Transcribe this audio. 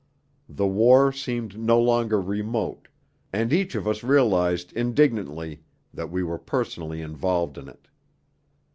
The war seemed no longer remote, and each of us realized indignantly that we were personally involved in it.